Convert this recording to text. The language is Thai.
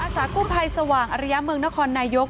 สากุภัยสว่างอริยะเมืองนครนายก